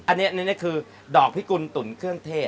อันนี้คือดอกพิกุลตุ๋นเครื่องเทศ